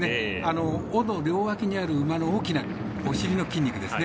両脇にある馬の大きなお尻の筋肉ですね。